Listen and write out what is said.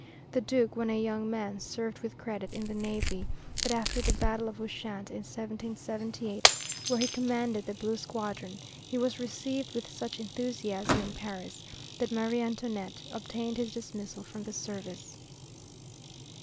The Duke, when a young man, served with credit in the navy, but after the battle of Ushant, in 1778, where he commanded the blue squadron, he was received with such enthusiasm in Paris, that Marie Antoinette obtained his dismissal from the service.